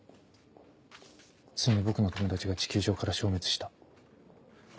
ついに僕の友達が地球上から消滅した。